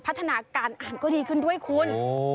พัฒนาการอ่านก็ดีขึ้นด้วยคุณ